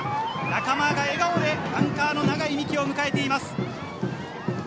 仲間が笑顔でアンカーの永井を迎えています。